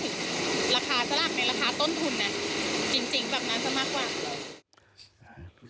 จริงแบบนั้นก็มากกว่า